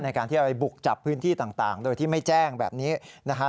ในการที่จะบุกจับพื้นที่ต่างโดยที่ไม่แจ้งแบบนี้นะฮะ